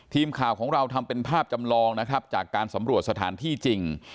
ทีมข่าวของเราทำเป็นภาพจำลองนะครับจากการสำรวจสถานที่จริง